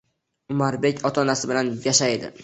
Umarbek ota-onasi bilan yashaydi